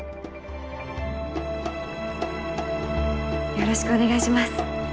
よろしくお願いします